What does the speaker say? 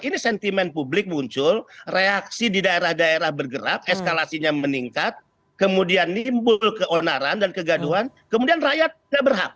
ini sentimen publik muncul reaksi di daerah daerah bergerak eskalasinya meningkat kemudian timbul keonaran dan kegaduhan kemudian rakyat tidak berhak